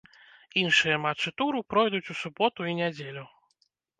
Іншыя матчы туру пройдуць у суботу і нядзелю.